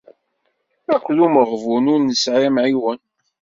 Akked umeɣbun ur nesɛi amɛiwen.